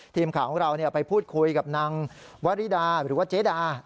ทีมข่าวของเราไปพูดคุยกับนางวริดาหรือว่าเจดา